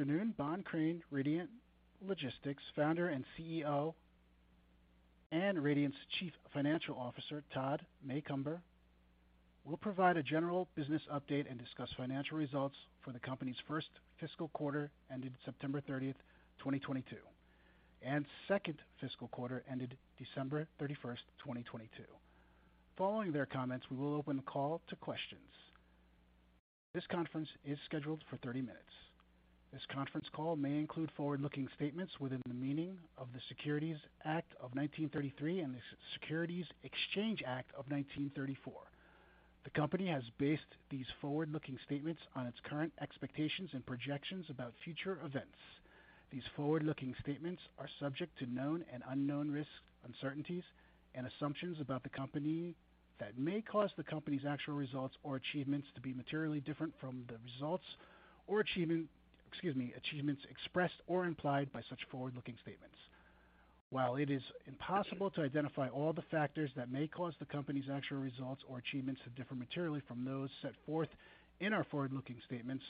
Afternoon, Bohn Crain, Radiant Logistics Founder and CEO, and Radiant's Chief Financial Officer, Todd Macomber, will provide a general business update and discuss financial results for the company's 1st fiscal quarter ended September 30, 2022, and 2nd fiscal quarter ended December 31, 2022. Following their comments, we will open the call to questions. This conference is scheduled for 30 minutes. This conference call may include forward-looking statements within the meaning of the Securities Act of 1933 and the Securities Exchange Act of 1934. The company has based these forward-looking statements on its current expectations and projections about future events. These forward-looking statements are subject to known and unknown risks, uncertainties, and assumptions about the company that may cause the company's actual results or achievements to be materially different from the results or achievements expressed or implied by such forward-looking statements. While it is impossible to identify all the factors that may cause the company's actual results or achievements to differ materially from those set forth in our forward-looking statements,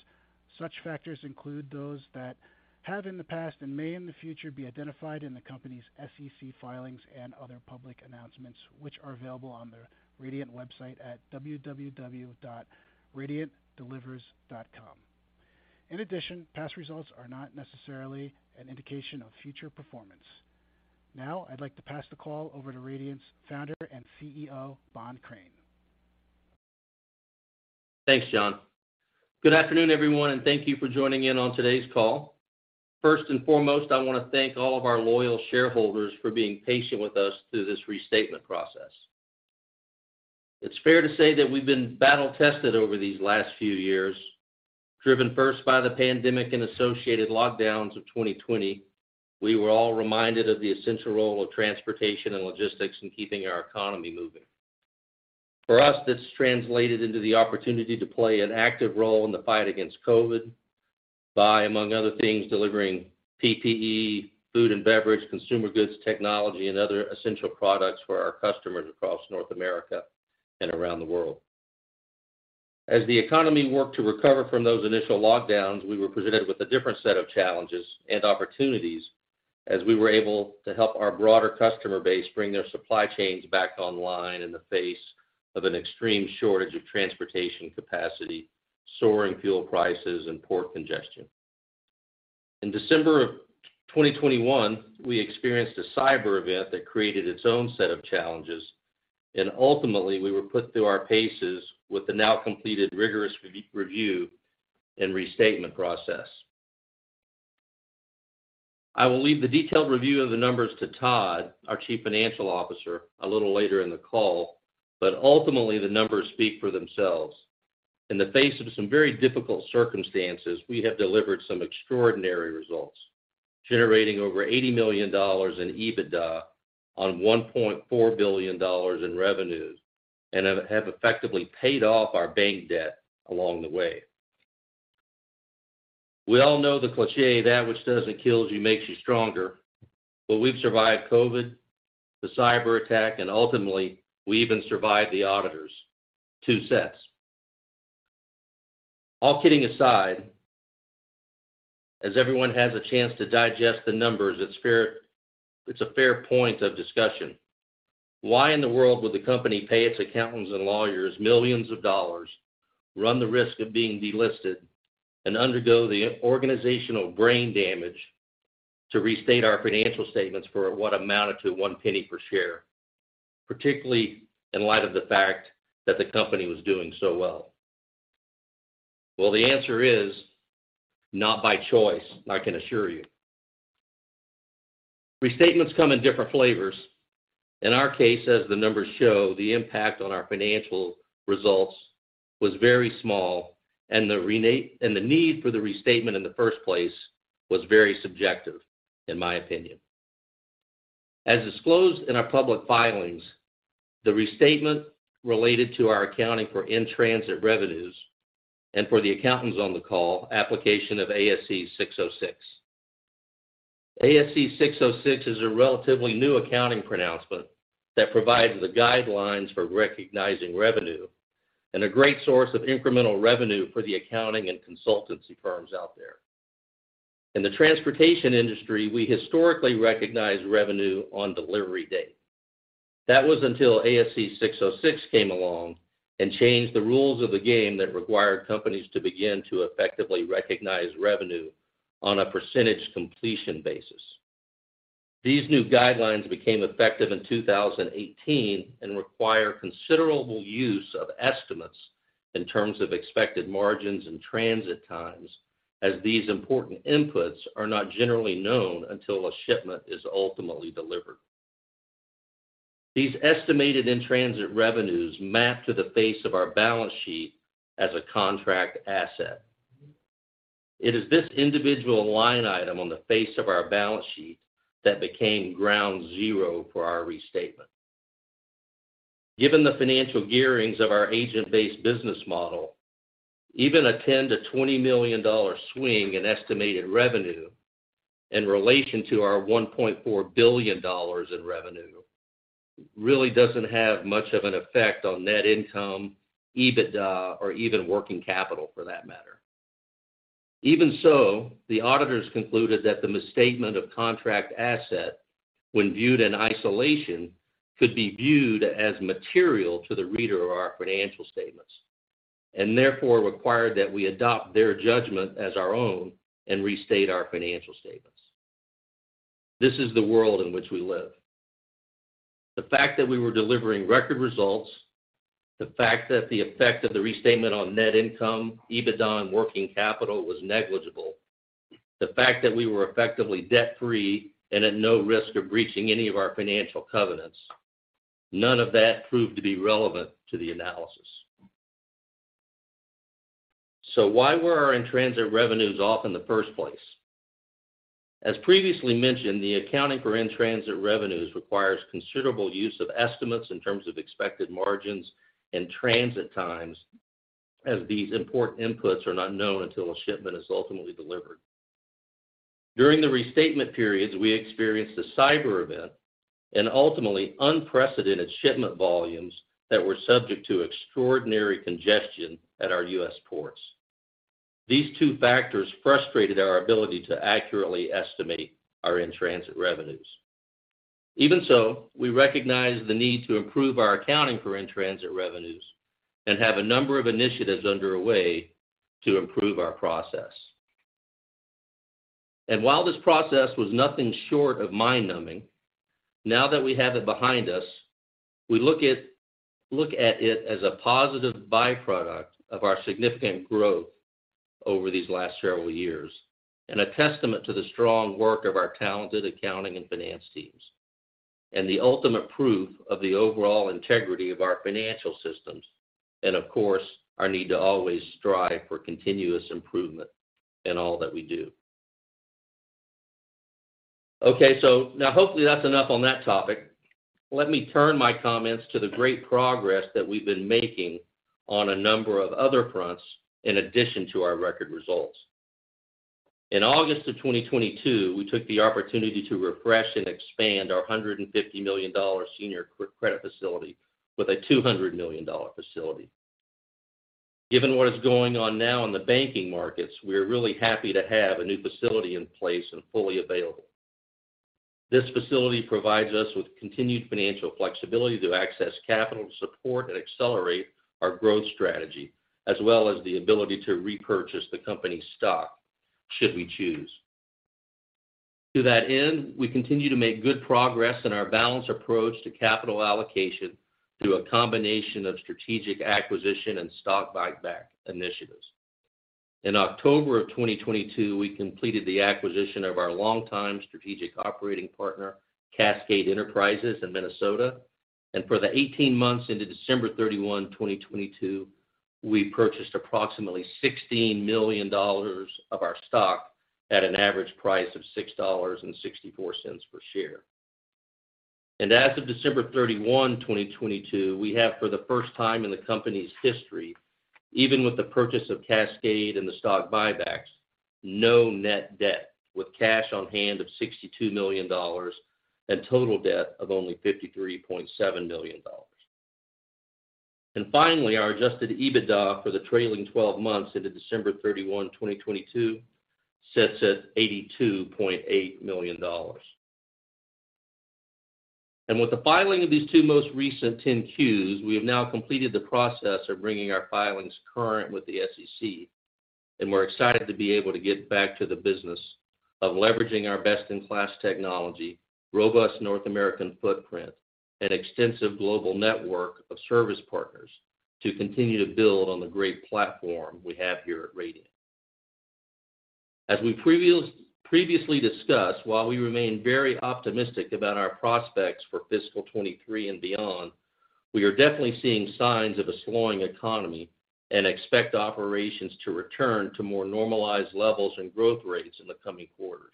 such factors include those that have in the past and may in the future be identified in the company's SEC filings and other public announcements, which are available on the Radiant website at www.radiantdelivers.com. Past results are not necessarily an indication of future performance. I'd like to pass the call over to Radiant's Founder and CEO, Bohn Crain. Thanks, John. Good afternoon, everyone, and thank you for joining in on today's call. First and foremost, I want to thank all of our loyal shareholders for being patient with us through this restatement process. It's fair to say that we've been battle tested over these last few years, driven first by the pandemic and associated lockdowns of 2020. We were all reminded of the essential role of transportation and logistics in keeping our economy moving. For us, this translated into the opportunity to play an active role in the fight against COVID by, among other things, delivering PPE, food and beverage, consumer goods, technology, and other essential products for our customers across North America and around the world. As the economy worked to recover from those initial lockdowns, we were presented with a different set of challenges and opportunities as we were able to help our broader customer base bring their supply chains back online in the face of an extreme shortage of transportation capacity, soaring fuel prices, and port congestion. In December of 2021, we experienced a cyber event that created its own set of challenges, and ultimately, we were put through our paces with the now completed rigorous review and restatement process. I will leave the detailed review of the numbers to Todd, our Chief Financial Officer, a little later in the call, but ultimately the numbers speak for themselves. In the face of some very difficult circumstances, we have delivered some extraordinary results, generating over $80 million in EBITDA on $1.4 billion in revenues, and have effectively paid off our bank debt along the way. We all know the cliché, that which doesn't kill you makes you stronger. We've survived COVID, the cyberattack, and ultimately, we even survived the auditors, two sets. All kidding aside, as everyone has a chance to digest the numbers, it's fair, it's a fair point of discussion. Why in the world would the company pay its accountants and lawyers millions of dollars, run the risk of being delisted, and undergo the organizational brain damage to restate our financial statements for what amounted to 1 penny per share, particularly in light of the fact that the company was doing so well? Well, the answer is, not by choice, I can assure you. Restatements come in different flavors. In our case, as the numbers show, the impact on our financial results was very small, and the need for the restatement in the first place was very subjective, in my opinion. As disclosed in our public filings, the restatement related to our accounting for in-transit revenues and for the accountants on the call, application of ASC 606. ASC 606 is a relatively new accounting pronouncement that provides the guidelines for recognizing revenue and a great source of incremental revenue for the accounting and consultancy firms out there. In the transportation industry, we historically recognize revenue on delivery date. That was until ASC 606 came along and changed the rules of the game that required companies to begin to effectively recognize revenue on a percentage of completion basis. These new guidelines became effective in 2018 and require considerable use of estimates in terms of expected margins and transit times, as these important inputs are not generally known until a shipment is ultimately delivered. These estimated in-transit revenues map to the face of our balance sheet as a contract asset. It is this individual line item on the face of our balance sheet that became ground zero for our restatement. Given the financial gearings of our agent-based business model, even a $10 million-$20 million swing in estimated revenue in relation to our $1.4 billion in revenue really doesn't have much of an effect on net income, EBITDA, or even working capital for that matter. Even so, the auditors concluded that the misstatement of contract asset, when viewed in isolation, could be viewed as material to the reader of our financial statements, and therefore required that we adopt their judgment as our own and restate our financial statements. This is the world in which we live. The fact that we were delivering record results, the fact that the effect of the restatement on net income, EBITDA, and working capital was negligible, the fact that we were effectively debt-free and at no risk of breaching any of our financial covenants, none of that proved to be relevant to the analysis. Why were our in-transit revenues off in the first place? As previously mentioned, the accounting for in-transit revenues requires considerable use of estimates in terms of expected margins and transit times, as these important inputs are not known until a shipment is ultimately delivered. During the restatement periods, we experienced a cyber event and ultimately unprecedented shipment volumes that were subject to extraordinary congestion at our U.S. ports. These two factors frustrated our ability to accurately estimate our in-transit revenues. Even so, we recognize the need to improve our accounting for in-transit revenues and have a number of initiatives underway to improve our process. While this process was nothing short of mind-numbing, now that we have it behind us, we look at it as a positive byproduct of our significant growth over these last several years and a testament to the strong work of our talented accounting and finance teams, and the ultimate proof of the overall integrity of our financial systems and, of course, our need to always strive for continuous improvement in all that we do. Hopefully that's enough on that topic. Let me turn my comments to the great progress that we've been making on a number of other fronts in addition to our record results. In August of 2022, we took the opportunity to refresh and expand our $150 million senior credit facility with a $200 million facility. Given what is going on now in the banking markets, we're really happy to have a new facility in place and fully available. This facility provides us with continued financial flexibility to access capital support and accelerate our growth strategy, as well as the ability to repurchase the company's stock should we choose. To that end, we continue to make good progress in our balanced approach to capital allocation through a combination of strategic acquisition and stock buyback initiatives. In October of 2022, we completed the acquisition of our longtime strategic operating partner, Cascade Enterprises of Minnesota. For the 18 months into December 31, 2022, we purchased approximately $16 million of our stock at an average price of $6.64 per share. As of December 31, 2022, we have, for the first time in the company's history, even with the purchase of Cascade and the stock buybacks, no net debt, with cash on hand of $62 million and total debt of only $53.7 million. Finally, our adjusted EBITDA for the trailing 12 months into December 31, 2022 sits at $82.8 million. With the filing of these two most recent 10-Qs, we have now completed the process of bringing our filings current with the SEC, and we're excited to be able to get back to the business of leveraging our best-in-class technology, robust North American footprint, and extensive global network of service partners to continue to build on the great platform we have here at Radiant. As we previously discussed, while we remain very optimistic about our prospects for fiscal 2023 and beyond, we are definitely seeing signs of a slowing economy and expect operations to return to more normalized levels and growth rates in the coming quarters.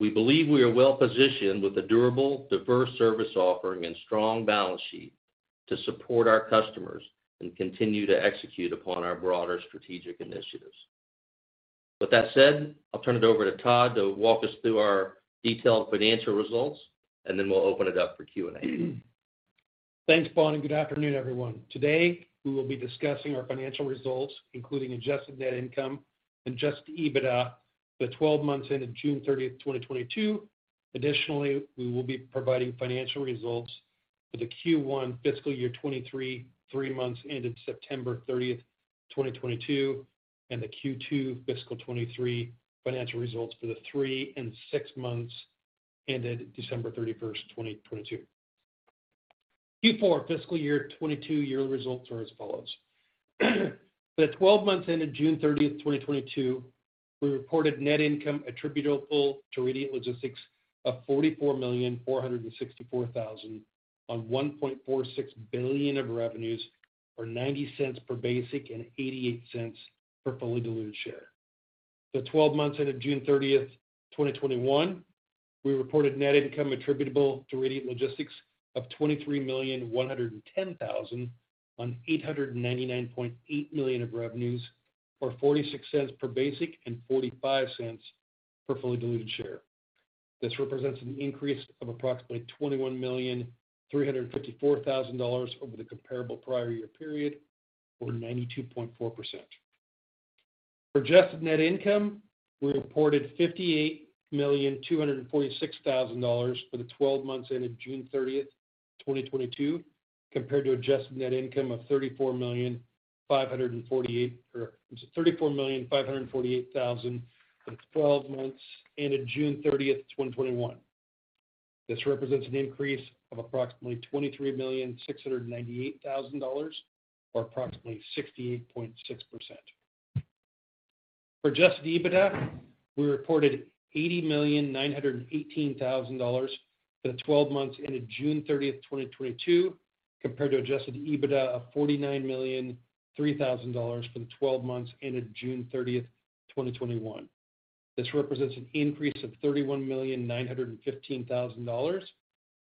We believe we are well-positioned with a durable, diverse service offering and strong balance sheet to support our customers and continue to execute upon our broader strategic initiatives. With that said, I'll turn it over to Todd to walk us through our detailed financial results, and then we'll open it up for Q&A. Thanks, Bohn, and good afternoon, everyone. Today, we will be discussing our financial results, including adjusted net income and adjusted EBITDA, the 12 months ended June 30, 2022. Additionally, we will be providing financial results for the Q1 fiscal year 2023, 3 months ended September 30, 2022, and the Q2 fiscal 2023 financial results for the three and six months ended December 31, 2022. Q4 fiscal year 2022 results are as follows. For the 12 months ended June 30, 2022, we reported net income attributable to Radiant Logistics of $44,464,000 on $1.46 billion of revenues, or $0.90 per basic and $0.88 per fully diluted share. The 12 months ended June 30th, 2021, we reported net income attributable to Radiant Logistics of $23.11 million on $899.8 million of revenues, or $0.46 per basic and $0.45 per fully diluted share. This represents an increase of approximately $21.354 million over the comparable prior year period, or 92.4%. For adjusted net income, we reported $58.246 million for the 12 months ended June 30th, 2022, compared to adjusted net income of $34.548 million for the 12 months ended June 30th, 2021. This represents an increase of approximately $23.698 million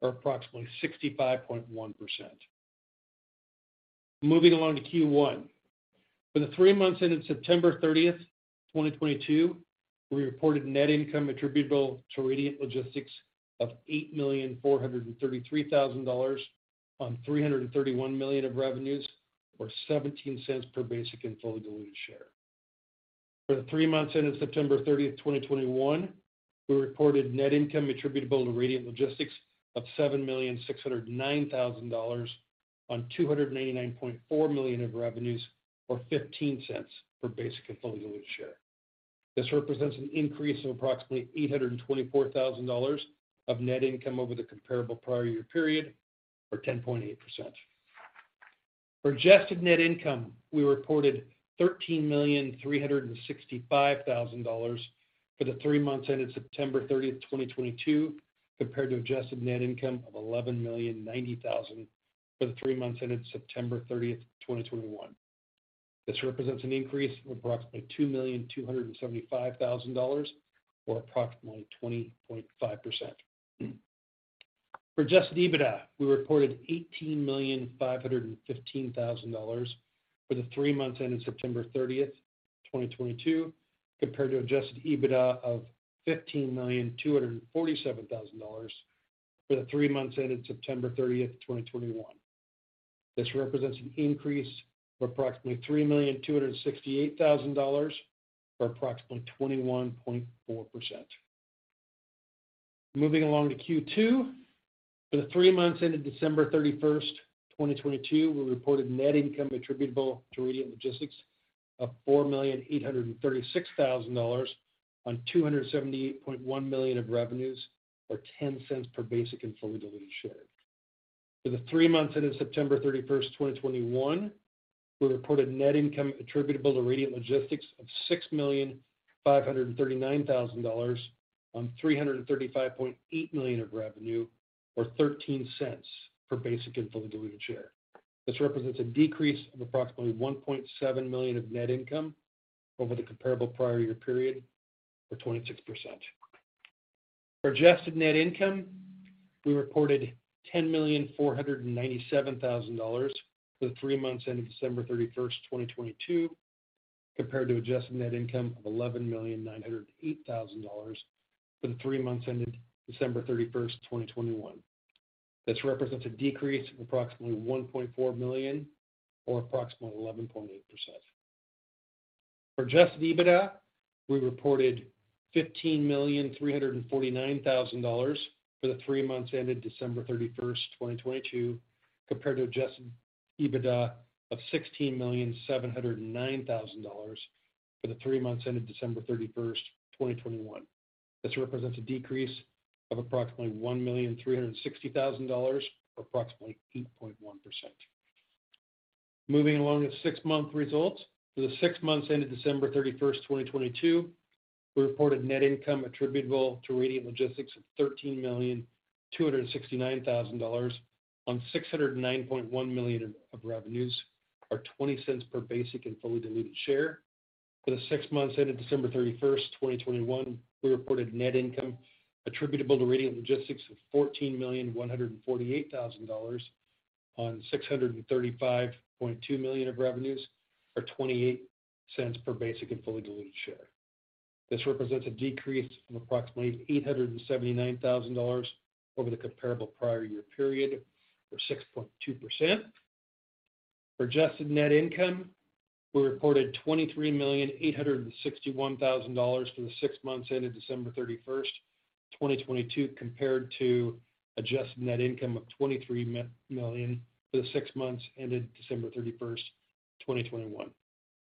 or approximately 68.6%. For adjusted EBITDA, we reported $80,918,000 for the 12 months ended June 30th, 2022, compared to adjusted EBITDA of $49,003,000 for the 12 months ended June 30th, 2021. This represents an increase of $31,915,000, or approximately 65.1%. Moving along to Q1. For the 3 months ended September 30th, 2022, we reported net income attributable to Radiant Logistics of $8,433,000 on $331 million of revenues, or $0.17 per basic and fully diluted share. For the three months ended September 30, 2021, we reported net income attributable to Radiant Logistics of $7,609,000 on $299.4 million of revenues or $0.15 per basic and fully diluted share. This represents an increase of approximately $824,000 of net income over the comparable prior year period, or 10.8%. For adjusted net income, we reported $13,365,000 for the three months ended September 30, 2022, compared to adjusted net income of $11,090,000 for the three months ended September 30, 2021. This represents an increase of approximately $2,275,000 or approximately 20.5%. For adjusted EBITDA, we reported $18,515,000 for the three months ended September 30, 2022, compared to adjusted EBITDA of $15,247,000 for the three months ended September 30, 2021. This represents an increase of approximately $3,268,000 or approximately 21.4%. Moving along to Q2. For the three months ended December 31, 2022, we reported net income attributable to Radiant Logistics of $4,836,000 on $278.1 million of revenues, or $0.10 per basic and fully diluted share. For the three months ended September 31st, 2021, we reported net income attributable to Radiant Logistics of $6,539,000 on $335.8 million of revenue, or $0.13 per basic and fully diluted share. This represents a decrease of approximately $1.7 million of net income over the comparable prior year period, or 26%. For adjusted net income, we reported $10,497,000 for the three months ended December 31st, 2022, compared to adjusted net income of $11,908,000 for the three months ended December 31st, 2021. This represents a decrease of approximately $1.4 million, or approximately 11.8%. For adjusted EBITDA, we reported $15,349,000 for the three months ended December 31, 2022, compared to adjusted EBITDA of $16,709,000 for the three months ended December 31, 2021. This represents a decrease of approximately $1,360,000, or approximately 8.1%. Moving along to six-month results. For the six months ended December 31, 2022, we reported net income attributable to Radiant Logistics of $13,269,000 on $609.1 million of revenues, or $0.20 per basic and fully diluted share. For the six months ended December 31st, 2021, we reported net income attributable to Radiant Logistics of $14,148,000 on $635.2 million of revenues, or $0.28 per basic and fully diluted share. This represents a decrease of approximately $879,000 over the comparable prior year period, or 6.2%. For adjusted net income, we reported $23,861,000 for the six months ended December 31st, 2022, compared to adjusted net income of $23 million for the six months ended December 31st, 2021.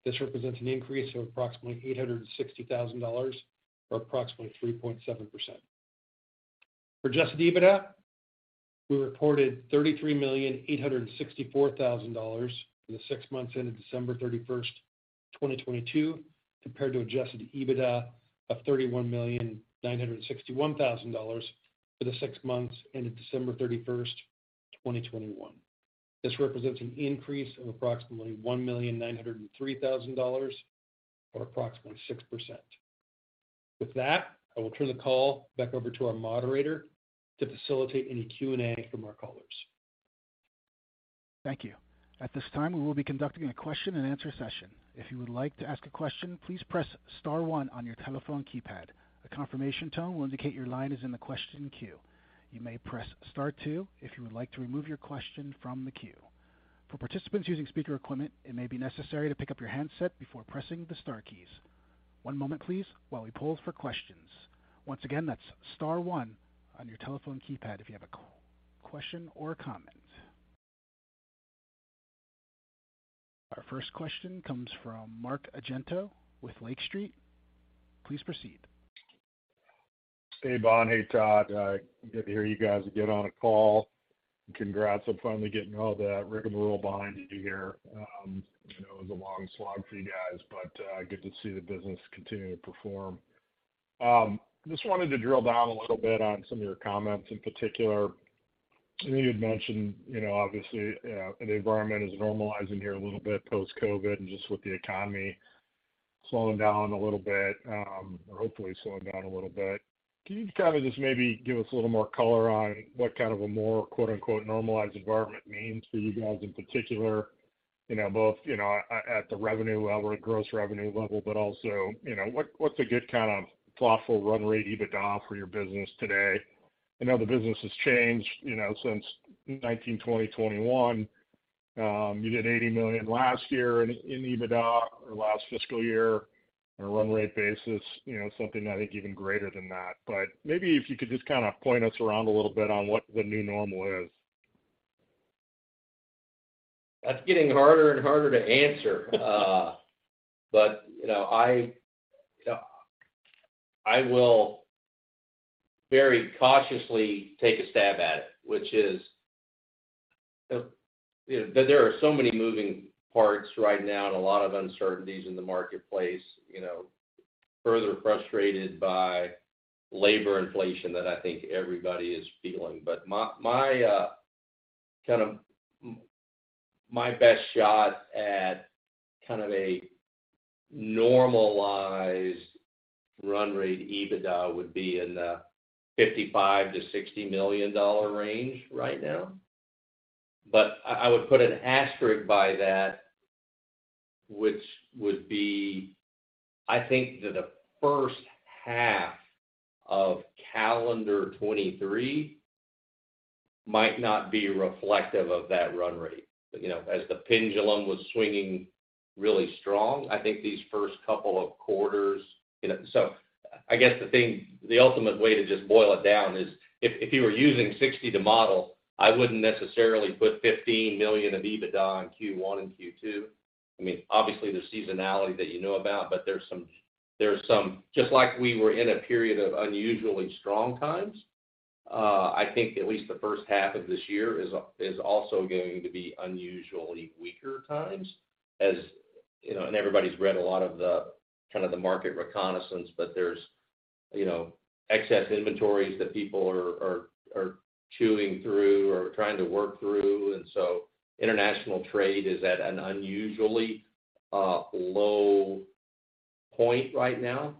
This represents an increase of approximately $860,000 or approximately 3.7%. For adjusted EBITDA, we reported $33,864,000 for the six months ended December 31st, 2022, compared to adjusted EBITDA of $31,961,000 for the six months ended December 31st, 2021. This represents an increase of approximately $1,903,000, or approximately 6%. With that, I will turn the call back over to our moderator to facilitate any Q&A from our callers. Thank you. At this time, we will be conducting a question-and-answer session. If you would like to ask a question, please press star one on your telephone keypad. A confirmation tone will indicate your line is in the question queue. You may press star two if you would like to remove your question from the queue. For participants using speaker equipment, it may be necessary to pick up your handset before pressing the star keys. One moment please while we poll for questions. Once again, that's star one on your telephone keypad if you have a question or comment. Our first question comes from Mark Argento with Lake Street. Please proceed. Hey, Bohn. Hey, Todd. Good to hear you guys again on a call. Congrats on finally getting all that rigmarole behind you here. I know it was a long slog for you guys, but good to see the business continuing to perform. Just wanted to drill down a little bit on some of your comments. In particular, I know you'd mentioned, you know, obviously, the environment is normalizing here a little bit post-COVID and just with the economy slowing down a little bit, or hopefully slowing down a little bit. Can you kind of just maybe give us a little more color on what kind of a more, quote-unquote, "normalized environment" means for you guys in particular? You know, both, you know, at the revenue level or gross revenue level, but also, you know, what's a good kind of thoughtful run rate EBITDA for your business today? I know the business has changed, you know, since 2019, 2020, 2021. You did $80 million last year in EBITDA or last fiscal year on a run rate basis. You know, something I think even greater than that. Maybe if you could just kind of point us around a little bit on what the new normal is. That's getting harder and harder to answer. You know, I will very cautiously take a stab at it, which is, you know, there are so many moving parts right now and a lot of uncertainties in the marketplace, you know, further frustrated by labor inflation that I think everybody is feeling. My best shot at kind of a normalized run rate EBITDA would be in the $55 million-$60 million range right now. I would put an asterisk by that, which would be, I think that the first half of calendar 2023 might not be reflective of that run rate. You know, as the pendulum was swinging really strong, I think these first couple of quarters. The ultimate way to just boil it down is if you were using 60 to model, I wouldn't necessarily put $15 million of EBITDA in Q1 and Q2. I mean, obviously there's seasonality that you know about, but just like we were in a period of unusually strong times, I think at least the first half of this year is also going to be unusually weaker times as and everybody's read a lot of the, kind of the market reconnaissance, but there's, you know, excess inventories that people are chewing through or trying to work through, international trade is at an unusually low point right now.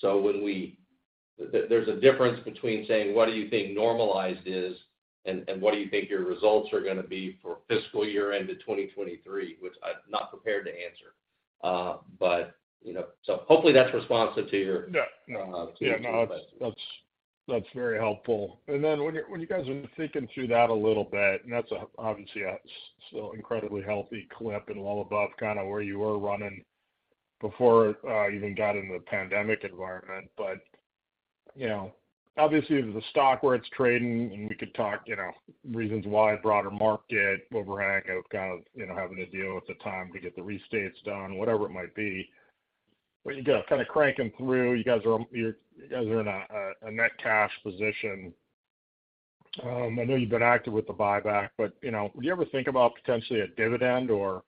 There's a difference between saying, what do you think normalized is, and what do you think your results are gonna be for fiscal year end of 2023, which I'm not prepared to answer. You know. Hopefully that's responsive to your. Yeah. No. To your question. Yeah, no, that's, that's very helpful. When you guys are thinking through that a little bit, and that's obviously still incredibly healthy clip and well above kind of where you were running before, you even got into the pandemic environment. You know, obviously the stock where it's trading, and we could talk, reasons why broader market overhang of kind of, you know, having to deal with the time to get the restates done, whatever it might be. You go kind of cranking through, you guys are in a net cash position. I know you've been active with the buyback, but, you know, would you ever think about potentially a dividend or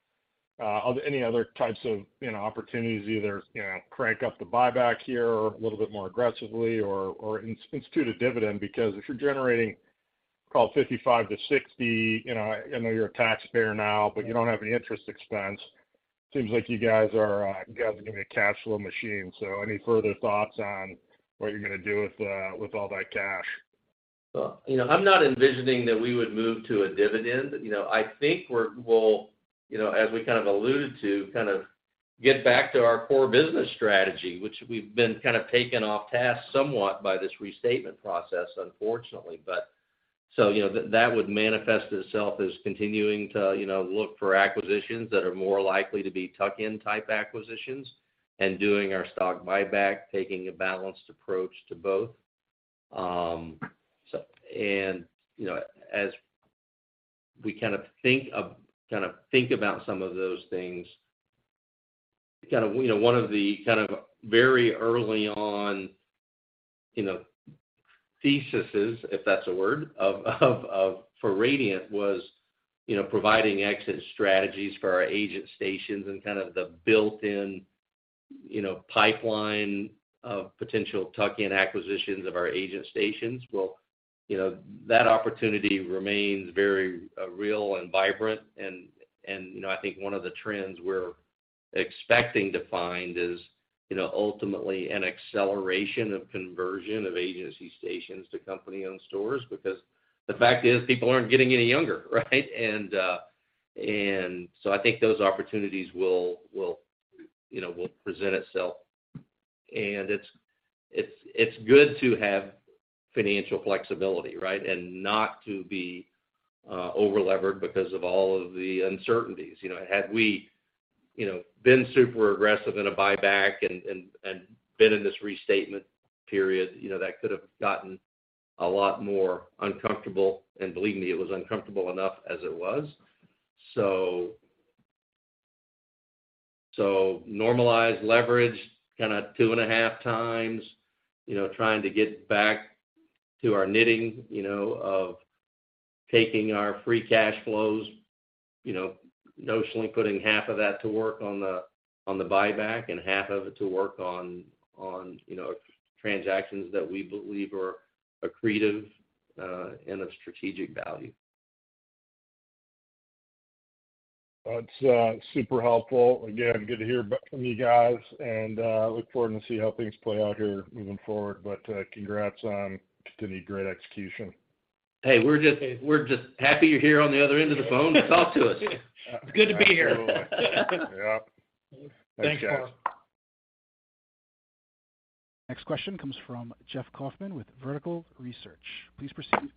other, any other types of, you know, opportunities to either, you know, crank up the buyback here or a little bit more aggressively or institute a dividend? Because if you're generating call it $55 million-$60 million, you know, I know you're a taxpayer now, but you don't have any interest expense. Seems like you guys are, you guys are gonna be a cash flow machine. Any further thoughts on what you're gonna do with all that cash? Well, you know, I'm not envisioning that we would move to a dividend. I think we'll, you know, as we kind of alluded to, kind of get back to our core business strategy, which we've been kind of taken off task somewhat by this restatement process, unfortunately. That would manifest itself as continuing to, you know, look for acquisitions that are more likely to be tuck-in type acquisitions and doing our stock buyback, taking a balanced approach to both. You know, as we kind of think about some of those things, you know, one of the very early on, you know, theses, if that's a word, of for Radiant was, you know, providing exit strategies for our agent stations and the built-in, you know, pipeline of potential tuck-in acquisitions of our agent stations. You know, that opportunity remains very real and vibrant and, you know, I think one of the trends we're expecting to find is, you know, ultimately an acceleration of conversion of agency stations to company-owned stores. The fact is people aren't getting any younger, right? I think those opportunities will, you know, present itself. It's good to have financial flexibility, right? Not to be over-levered because of all of the uncertainties. Had we, you know, been super aggressive in a buyback and been in this restatement period, you know, that could have gotten a lot more uncomfortable, and believe me, it was uncomfortable enough as it was. Normalized leverage, kinda 2.5x, you know, trying to get back to our knitting, you know, of taking our free cash flows, you know, notionally putting half of that to work on the buyback and half of it to work on transactions that we believe are accretive and of strategic value. That's super helpful. Again, good to hear back from you guys, and look forward to see how things play out here moving forward. Congrats on continuing great execution. Hey, we're just happy you're here on the other end of the phone to talk to us. It's good to be here. Absolutely. Yep. Thanks, guys. Next question comes from Jeff Kauffman with Vertical Research. Please proceed.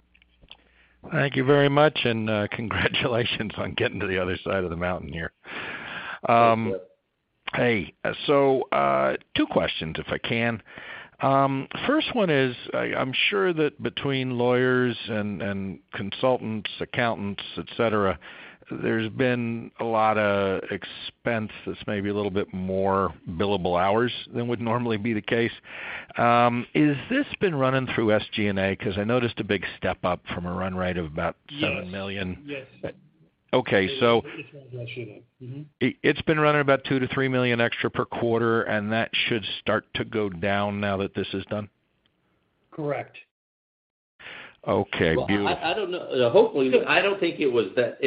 Thank you very much, and, congratulations on getting to the other side of the mountain here. Thanks, Jeff. Hey, two questions, if I can. First one is, I'm sure that between lawyers and consultants, accountants, etc., there's been a lot of expense that's maybe a little bit more billable hours than would normally be the case. Is this been running through SG&A? 'Cause I noticed a big step up from a run rate of about $7 million. Okay. It's all SG&A. It's been running about $2 million-$3 million extra per quarter, and that should start to go down now that this is done? Correct. Okay. Beautiful. Well, I don't know. Hopefully, I don't think it was that.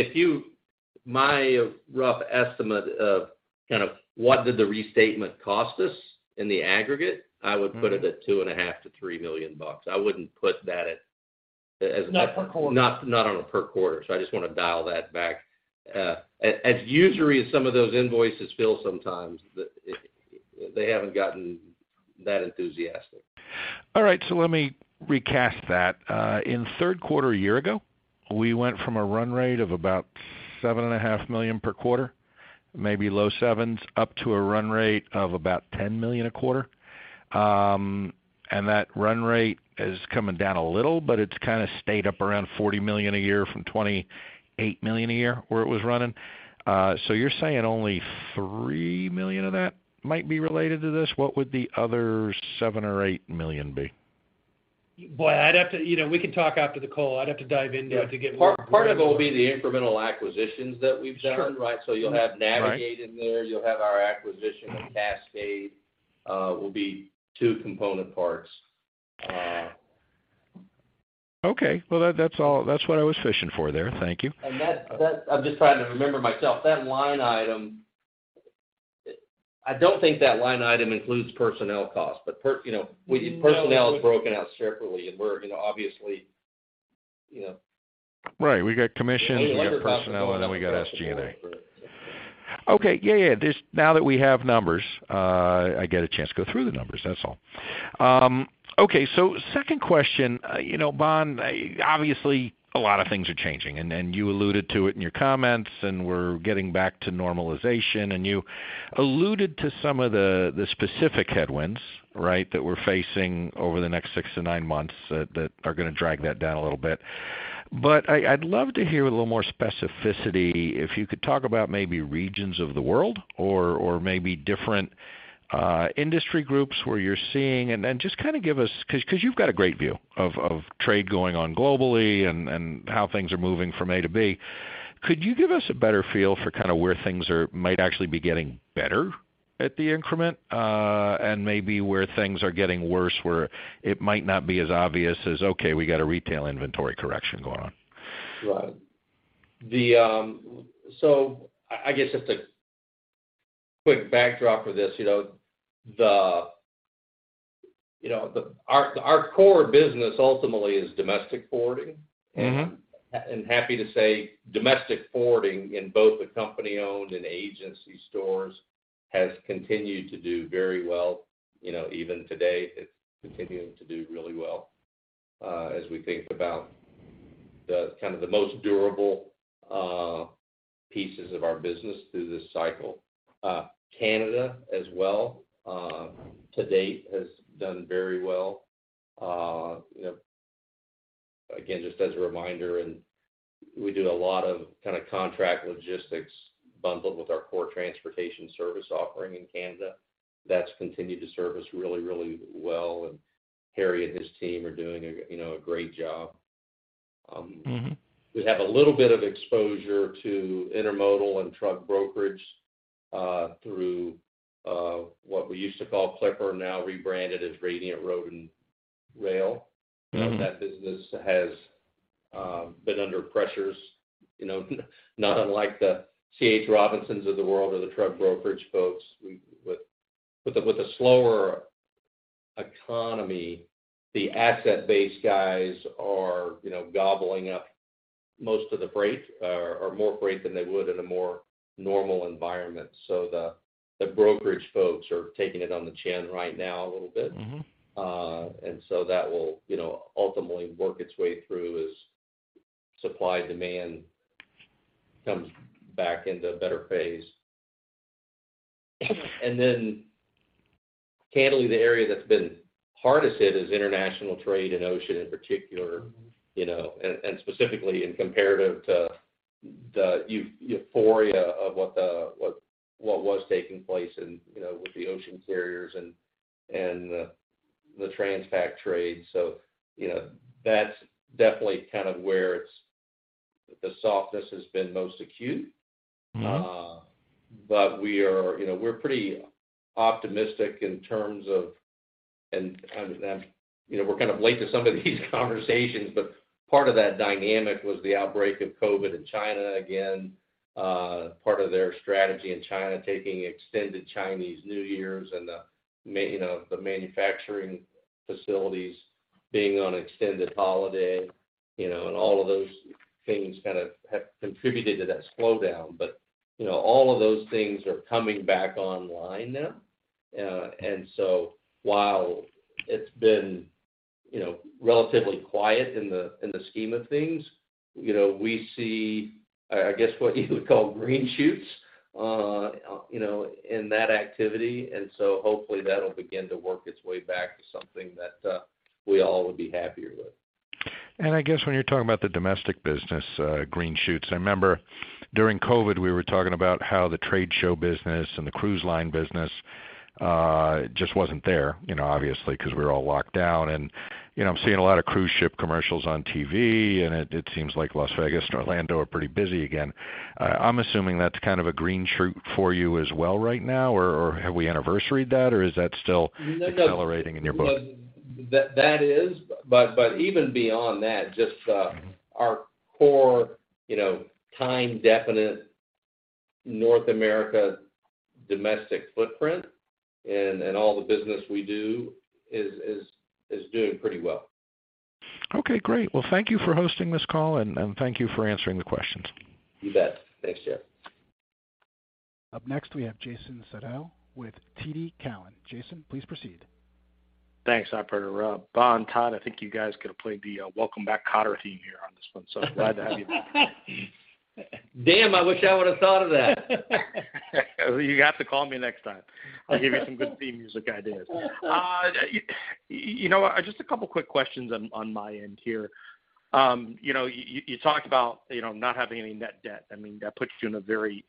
My rough estimate of kind of what did the restatement cost us in the aggregate, I would put it at two and a half million to $3 million. I wouldn't put that at. Not on a per quarter. I just wanna dial that back. As usury as some of those invoices feel sometimes, the they haven't gotten that enthusiastic. All right. Let me recast that. In third quarter a year ago, we went from a run rate of about $7.5 million per quarter, maybe low $7 million, up to a run rate of about $10 million a quarter. That run rate is coming down a little, but it's kinda stayed up around $40 million a year from $28 million a year where it was running. You're saying only $3 million of that might be related to this? What would the other $7 million or $8 million be? You know, we can talk after the call. I'd have to dive into it to get more granular. Part of it will be the incremental acquisitions that we've done, right? You'll have Navegate in there. You'll have our acquisition with Cascade, will be two component parts. Okay. Well that's all. That's what I was fishing for there. Thank you. That. I'm just trying to remember myself. That line item, I don't think that line item includes personnel costs. Personnel is broken out separately. We're, you know, obviously. Right. We got commissions. We got personnel. Then we got SG&A. Okay. Yeah, yeah. Now that we have numbers, I get a chance to go through the numbers. That's all. Okay, second question. You know, Bohn, obviously a lot of things are changing, and you alluded to it in your comments, and we're getting back to normalization, and you alluded to some of the specific headwinds, right? That we're facing over the next six to nine months that are gonna drag that down a little bit. I'd love to hear with a little more specificity if you could talk about maybe regions of the world or maybe different industry groups where you're seeing, and then just kinda give us because you've got a great view of trade going on globally and how things are moving from A to B. Could you give us a better feel for kind of where things are, might actually be getting better at the increment? Maybe where things are getting worse, where it might not be as obvious as, "Okay, we got a retail inventory correction going on. Right. I guess just a quick backdrop for this. You know, Our core business ultimately is domestic forwarding. Happy to say domestic forwarding in both the company-owned and agency stores has continued to do very well. You know, even today, it's continuing to do really well, as we think about the kind of the most durable pieces of our business through this cycle. Canada as well, to date has done very well. You know, again, just as a reminder, and we do a lot of kinda contract logistics bundled with our core transportation service offering in Canada. That's continued to serve us really, really well, and Harry and his team are doing a, you know, a great job. We have a little bit of exposure to intermodal and truck brokerage, through what we used to call Clipper, now rebranded as Radiant Road and Rail. That business has been under pressures, you know, not unlike the C.H. Robinson of the world or the truck brokerage folks. With the slower economy, the asset base guys are, you know, gobbling up most of the freight or more freight than they would in a more normal environment. The brokerage folks are taking it on the chin right now a little bit. That will, you know, ultimately work its way through as supply-demand comes back into a better phase. Candidly, the area that's been hardest hit is international trade and ocean in particular. You know, and specifically in comparative to the euphoria of what was taking place in, you know, with the ocean carriers and the Trans-Pacific trade. You know, that's definitely kind of where it's, the softness has been most acute. You know, we're pretty optimistic in terms of, and kind of then, you know, we're kind of late to some of these conversations, but part of that dynamic was the outbreak of COVID in China again. Part of their strategy in China, taking extended Chinese New Year and the manufacturing facilities being on extended holiday, you know. All of those things kind of have contributed to that slowdown. You know, all of those things are coming back online now. While it's been, you know, relatively quiet in the, in the scheme of things, you know, we see, I guess what you would call green shoots, you know, in that activity, and so hopefully that'll begin to work its way back to something that we all would be happier with. I guess when you're talking about the domestic business, green shoots, I remember during COVID, we were talking about how the trade show business and the cruise line business just wasn't there, you know, obviously because we were all locked down. You know, I'm seeing a lot of cruise ship commercials on TV, and it seems like Las Vegas and Orlando are pretty busy again. I'm assuming that's kind of a green shoot for you as well right now, or have we anniversaried that, or is that still accelerating in your book? That is. Even beyond that, our core, you know, time definite North America domestic footprint and all the business we do is doing pretty well. Okay, great. Well, thank you for hosting this call, and thank you for answering the questions. You bet. Thanks, Jeff. Up next, we have Jason Seidl with TD Cowen. Jason, please proceed. Thanks, operator. Bohn and Todd, I think you guys could have played the Welcome Back, Kotter theme here on this one, so glad to have you back. Damn, I wish I would've thought of that. You have to call me next time. I'll give you some good theme music ideas. You know what, just a couple quick questions on my end here. You know, you talked about, you know, not having any net debt. I mean, that puts you in a very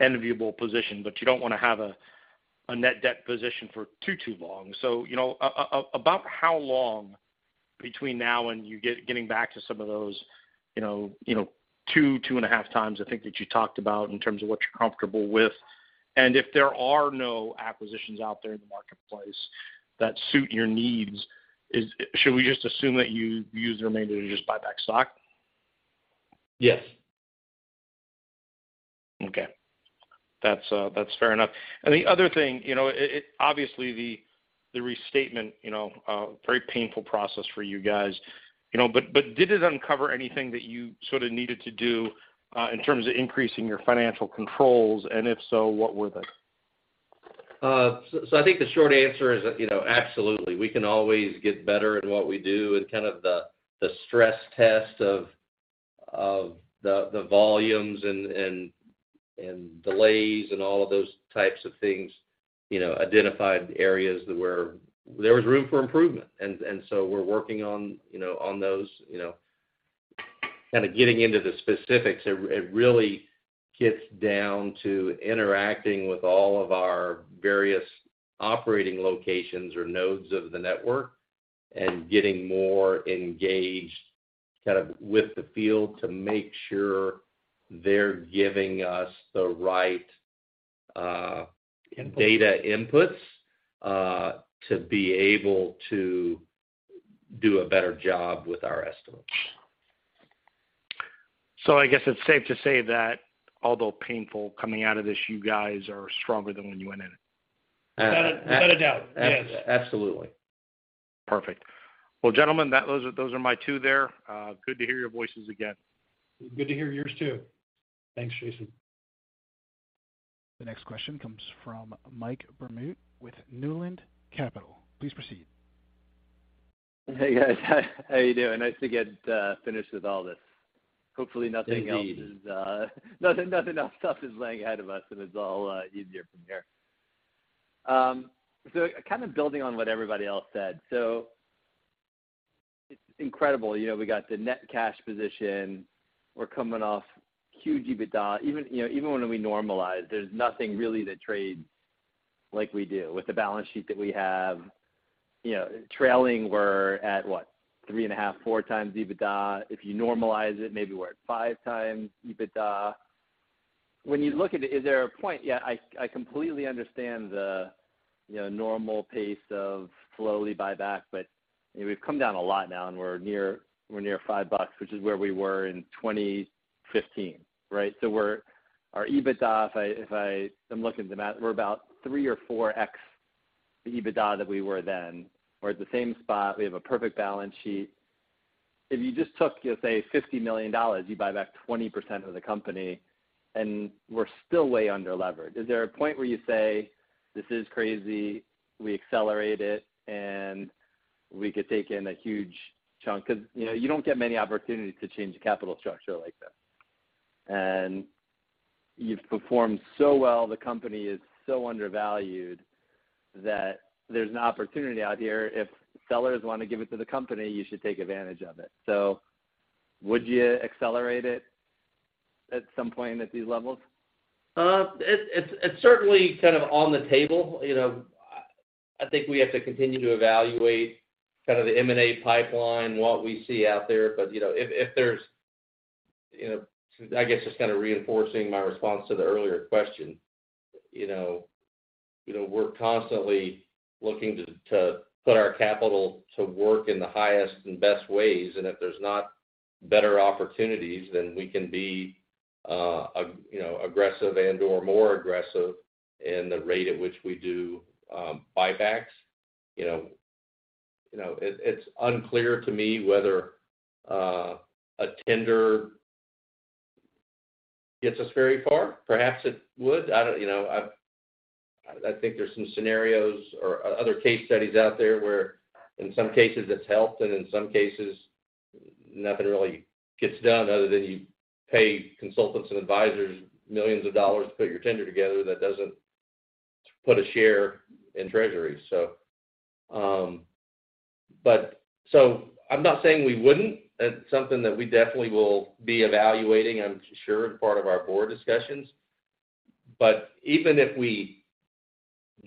enviable position, but you don't wanna have a net debt position for too long. You know, about how long between now and getting back to some of those, you know, 2.5x, I think, that you talked about in terms of what you're comfortable with? If there are no acquisitions out there in the marketplace that suit your needs, should we just assume that you use the remainder to just buy back stock? Yes. Okay. That's fair enough. The other thing, you know, it obviously the restatement, you know, a very painful process for you guys, you know. Did it uncover anything that you sort of needed to do, in terms of increasing your financial controls, and if so, what were they? I think the short answer is that, you know, absolutely. We can always get better at what we do and kind of the stress test of the volumes and delays and all of those types of things, you know, identified areas that were there was room for improvement. We're working on, you know, on those, you know. Getting into the specifics, it really gets down to interacting with all of our various operating locations or nodes of the network and getting more engaged kind of with the field to make sure they're giving us the right data inputs, to be able to do a better job with our estimates. I guess it's safe to say that although painful coming out of this, you guys are stronger than when you went in. Without a doubt, yes. Absolutely. Perfect. Well, gentlemen, that was it. Those are my two there. Good to hear your voices again. Good to hear yours too. Thanks, Jason. The next question comes from Michael Vermut with Newland Capital. Please proceed. Hey, guys. How you doing? Nice to get finished with all this. Hopefully nothing else. Indeed. Nothing else tough is laying ahead of us. It's all easier from here. Kind of building on what everybody else said. It's incredible. You know, we got the net cash position. We're coming off huge EBITDA. Even, you know, even when we normalize, there's nothing really to trade like we do with the balance sheet that we have. You know, trailing, we're at what? 3.5x, 4x EBITDA. If you normalize it, maybe we're at 5x EBITDA. When you look at it, is there a point? Yeah, I completely understand the, you know, normal pace of slowly buyback. You know, we've come down a lot now and we're near $5, which is where we were in 2015, right? Our EBITDA, if I'm looking at, we're about 3x or 4x EBITDA that we were then. We're at the same spot. We have a perfect balance sheet. If you just took, you'll say $50 million, you buy back 20% of the company, and we're still way under levered. Is there a point where you say, "This is crazy, we accelerate it, and we could take in a huge chunk?" You know, you don't get many opportunities to change a capital structure like this. You've performed so well, the company is so undervalued that there's an opportunity out here. If sellers wanna give it to the company, you should take advantage of it. Would you accelerate it at some point at these levels? It's certainly kind of on the table. You know, I think we have to continue to evaluate kind of the M&A pipeline, what we see out there. You know, if there's, you know, I guess, just kind of reinforcing my response to the earlier question. You know, we're constantly looking to put our capital to work in the highest and best ways. If there's not better opportunities, then we can be, you know, aggressive and/or more aggressive in the rate at which we do buybacks. You know, it's unclear to me whether a tender gets us very far. Perhaps it would. You know, I think there's some scenarios or other case studies out there where in some cases it's helped, and in some cases nothing really gets done other than you pay consultants and advisors millions of dollars to put your tender together that doesn't put a share in treasury. I'm not saying we wouldn't. It's something that we definitely will be evaluating, I'm sure in part of our board discussions. Even if we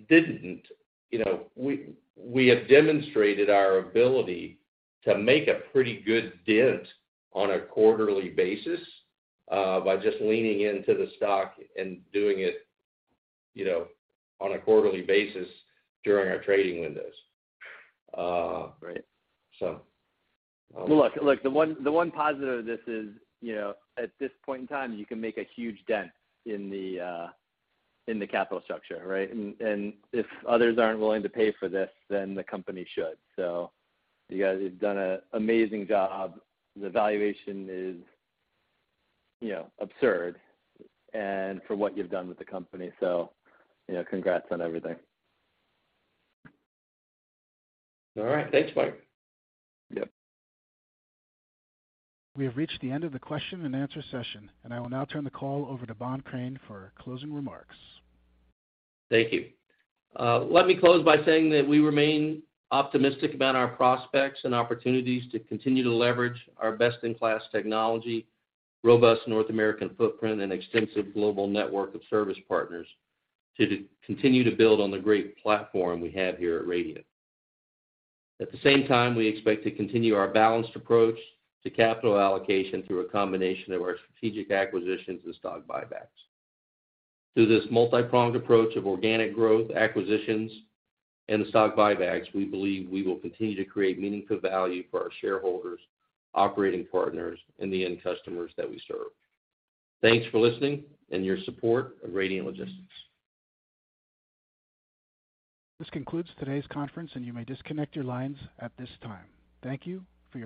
didn't, you know, we have demonstrated our ability to make a pretty good dent on a quarterly basis, by just leaning into the stock and doing it, you know, on a quarterly basis during our trading windows. Well, look, the one positive of this is, you know, at this point in time, you can make a huge dent in the capital structure, right? If others aren't willing to pay for this, then the company should. You guys have done a amazing job. The valuation is, you know, absurd and for what you've done with the company. You know, congrats on everything. All right. Thanks, Mike. Yep. We have reached the end of the question and answer session, and I will now turn the call over to Bohn Crain for closing remarks. Thank you. Let me close by saying that we remain optimistic about our prospects and opportunities to continue to leverage our best-in-class technology, robust North American footprint, and extensive global network of service partners to continue to build on the great platform we have here at Radiant. At the same time, we expect to continue our balanced approach to capital allocation through a combination of our strategic acquisitions and stock buybacks. Through this multi-pronged approach of organic growth, acquisitions, and stock buybacks, we believe we will continue to create meaningful value for our shareholders, operating partners, and the end customers that we serve. Thanks for listening and your support of Radiant Logistics. This concludes today's conference, and you may disconnect your lines at this time. Thank you for your participation.